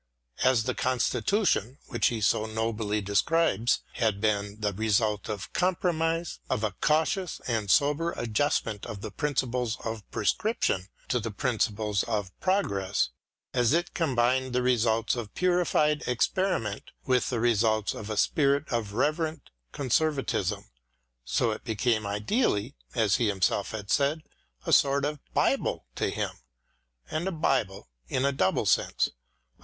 As the Con stitution which he so nobly describes had been the result of compromise, of a cautious and sober adjustment of the principles of prescription to the principles of progress ; as it combined the results of purified experiment with the results of a spirit of reverent conservatism, So it became ideally, as he himself has said, a sort of Bible to him. And a Bible in a double sense — a.